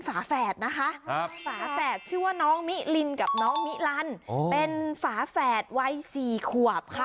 ฝาแฝดนะคะฝาแฝดชื่อว่าน้องมิลินกับน้องมิลันเป็นฝาแฝดวัย๔ขวบค่ะ